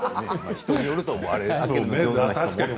人によると思われますけどね。